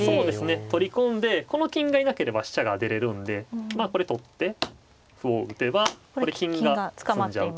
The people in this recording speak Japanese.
取り込んでこの金がいなければ飛車が出れるんでまあこれ取って歩を打てばこれ金が詰んじゃうと。